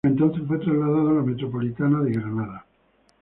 Entonces fue trasladado a la metropolitana de Granada.